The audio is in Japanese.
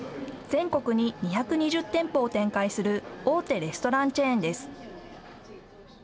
全国に２２０店舗を展開する大手レストランチェーンです。